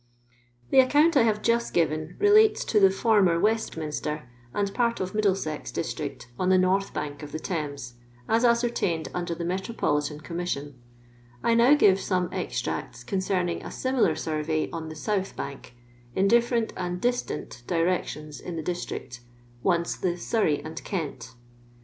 The account I have just given relates to the (former) Westminster and part of Middlesex di^ trict on the north bank of the Thames, u asoer tained under the Metropolitan ConuaisiioB. I now give some extracts concerning a LONDON LABOUR AND THE LONDON POOR. 895 snrrej on the watb bsnk, in diffisrent and distant direetioni in the district, once the " Sonrej and Kent."